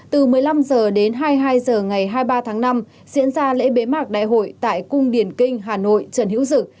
từ một mươi năm h đến hai mươi hai h ngày hai mươi ba tháng năm diễn ra lễ bế mạc đại hội tại cung điển kinh hà nội trần hữu dực